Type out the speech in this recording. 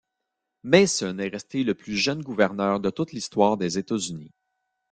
Mason est resté le plus jeune gouverneur de toute l'histoire des États-Unis.